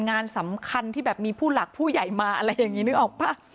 งานสำคัญที่แบบมีผู้หลักผู้ใหญ่มาอะไรอย่างนี้นึกออกป่ะ